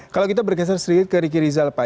kalau kita bergeser sedikit ke ricky rizal pak